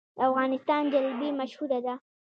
د افغانستان جلبي مشهوره ده